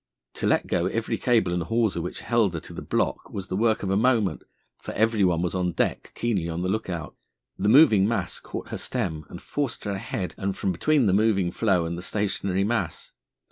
To let go every cable and hawser which held her to the block was the work of a moment, for every one was on deck keenly on the look out. The moving mass caught her stem and forced her ahead and from between the moving floe and the stationary mass.